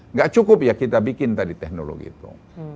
nggak cukup ya kita bikin tadi teknologi itu